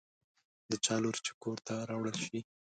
د چا لور چې کور ته راوړل شي.